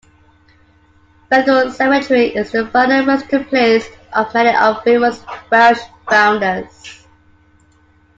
Bethel Cemetery is the final resting place of many of Wymore's Welsh Founders.